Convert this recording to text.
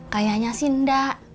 kayaknya sih enggak